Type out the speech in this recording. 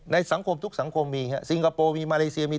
สังคมทุกสังคมมีสิงคโปร์มีมาเลเซียมี